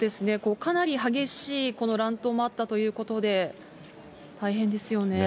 かなり激しいこの乱闘もあったということで、大変ですよね。